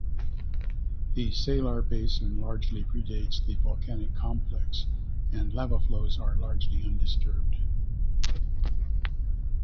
The salar basin largely predates the volcanic complex and lava flows are largely undisturbed.